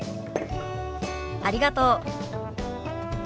ありがとう。